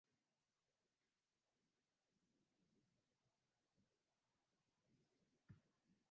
将必俟亡羊而始补牢乎！